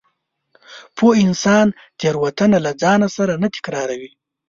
پوه انسان تېروتنه له ځان سره نه تکراروي.